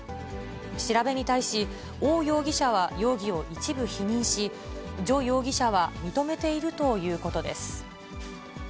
調べに対し、王容疑者は容疑を一部否認し、徐容疑者は認めているということ